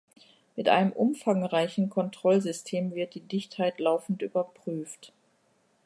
Mit einem umfangreichen Kontrollsystem wird die Dichtheit laufend überprüft.